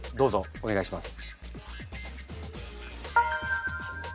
お願いします。